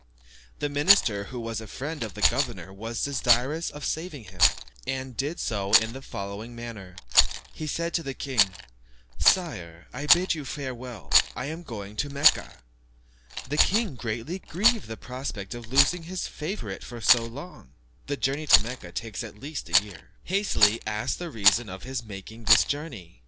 The minister, who was a friend of the governor, was desirous of saving him, and did so in the following manner. He said to the king, "Sire, I bid you farewell, I am going to Mecca." The king, greatly grieved at the prospect of losing his favourite for so long (the journey to Mecca takes at least a year), hastily asked the reason of his making this journey.